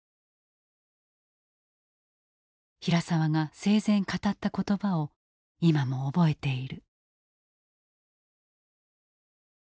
平沢が生前語った言葉を今も覚えている。